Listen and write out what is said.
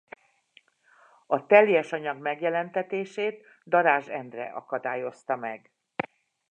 A teljes anyag megjelentetését Darázs Endre akadályozta meg.